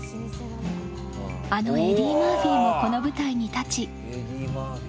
あのエディ・マーフィもこの舞台に立ち。